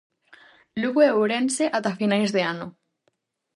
Lugo e Ourense ata finais de ano.